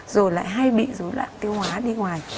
rồi lại hay bị dối loạn tiêu hóa đi ngoài